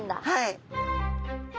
はい。